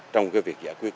trong cái việc giải quyết